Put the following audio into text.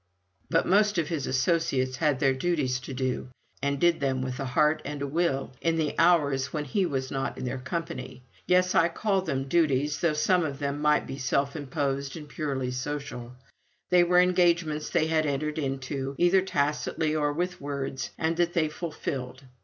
But most of his associates had their duties to do, and did them with a heart and a will, in the hours when he was not in their company. Yes! I call them duties, though some of them might be self imposed and purely social; they were engagements they had entered into, either tacitly or with words, and that they fulfilled.